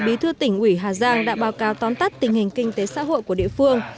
bí thư tỉnh ủy hà giang đã báo cáo tóm tắt tình hình kinh tế xã hội của địa phương